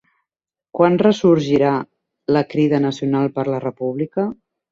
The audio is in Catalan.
Quan ressorgirà la Crida Nacional per la República?